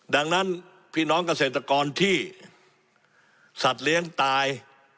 ดังนั้นพี่น้องเกษตรกรที่สัตว์เลี้ยงตาย